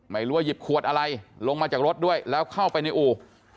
หยิบขวดอะไรลงมาจากรถด้วยแล้วเข้าไปในอู่